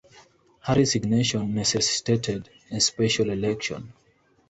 Her resignation necessitated a special election.